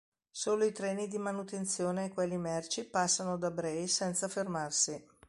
Solo i treni di manutenzione e quelli merci passano da Bray senza fermarsi.